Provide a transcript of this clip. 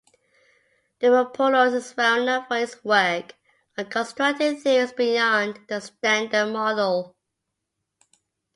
Dimopoulos is well known for his work on constructing theories beyond the Standard Model.